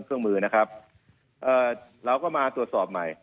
เครื่องมือนะครับเอ่อเราก็มาตรวจสอบใหม่